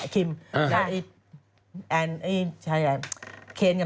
ดีใจจังเลยผมชอบพี่เคน